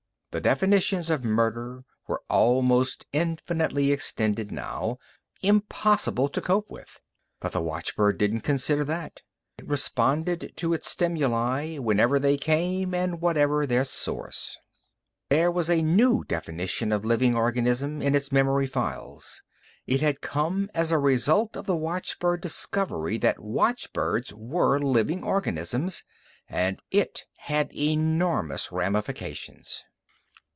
The definitions of murder were almost infinitely extended now, impossible to cope with. But the watchbird didn't consider that. It responded to its stimuli, whenever they came and whatever their source. There was a new definition of living organism in its memory files. It had come as a result of the watchbird discovery that watchbirds were living organisms. And it had enormous ramifications.